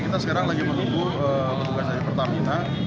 kita sekarang lagi menunggu petugas dari pertamina